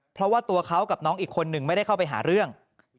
เพราะว่าตัวเขากับน้องอีกคนนึงไม่ได้เข้าไปหาเรื่อง